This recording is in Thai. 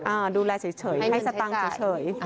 ดูแลเฉยให้สตางค์เฉย